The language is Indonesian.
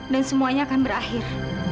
dan semuanya akan berakhir